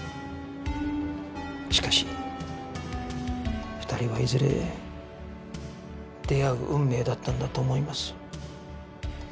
しかし２人はいずれ出会う運命だったんだと思います。